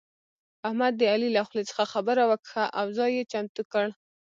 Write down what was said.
احمد د علي له خولې څخه خبره وکښه او ځای يې چمتو کړ.